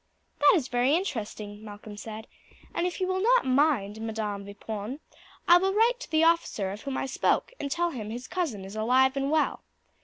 "That is very interesting," Malcolm said; "and if you will not mind, Madam Vipon, I will write to the officer of whom I spoke and tell him his cousin is alive and well.